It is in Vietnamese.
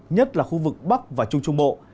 nhất là khu vực bắc và trung trung bộ